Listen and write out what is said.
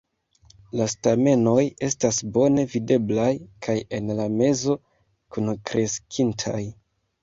La stamenoj estas bone videblaj kaj en la mezo kunkreskintaj.